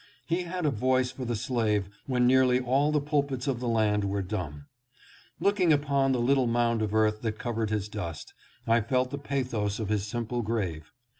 He had a voice for the slave when nearly all the pulpits of the land were dumb. Looking upon the little mound of earth that covered his dust, I felt the pathos of his sim ple grave.